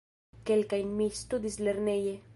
Kelkajn mi studis lerneje.